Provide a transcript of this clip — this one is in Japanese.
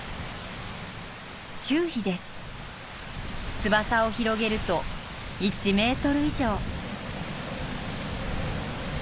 翼を広げると１メートル以上。